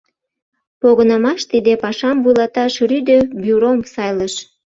Погынымаш тиде пашам вуйлаташ Рӱдӧ бюром сайлыш.